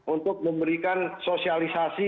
untuk memberikan sosialisasi